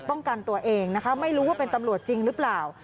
ป้องกันตัวเองนะคะไม่รู้ว่าเป็นตำรวจจริงหรือเปล่า